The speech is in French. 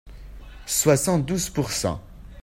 Soixante douze pour cent.